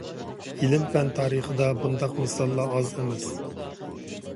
ئىلىم-پەن تارىخىدا مۇنداق مىساللار ئاز ئەمەس.